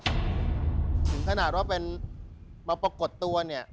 ถึงขนาดว่าเป็นมาปรากฏตัวเนี่ย